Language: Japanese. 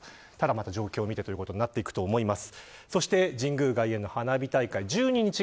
状況を見てということになっていくと思います。